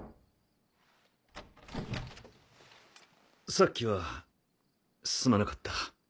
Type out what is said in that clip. さっきはすまなかった。